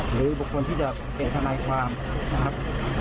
หรือบุคคลที่เดี๋ยวเกตทานายความนะครับ